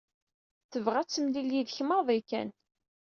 Tebɣa ad temlil yid-k maḍi kan.